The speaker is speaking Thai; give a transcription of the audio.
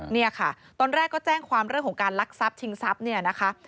เนี่ยค่ะตอนแรกก็แจ้งความเรื่องของการลักทรัพย์ชิงทรัพย์เนี่ยนะคะ